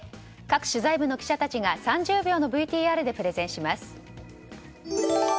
各取材部の記者たちが３０秒のＶＴＲでプレゼンします。